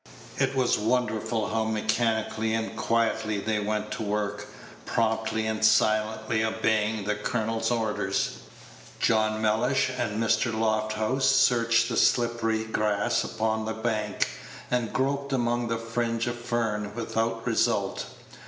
It was wonderful how mechanically and quietly they went to work, promptly and silently obeying the colonel's orders. John Mellish and Mr. Lofthouse searched the slippery grass upon the bank, and groped among the fringe of fern, without result.